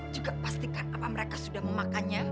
juga pastikan apa mereka sudah mau makan ya